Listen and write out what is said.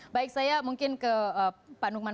baik saya mungkin ke pak nukman